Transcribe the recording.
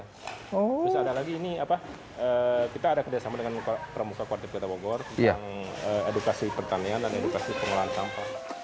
terus ada lagi ini apa kita ada kerjasama dengan pramuka kuatip kota bogor tentang edukasi pertanian dan edukasi pengelolaan sampah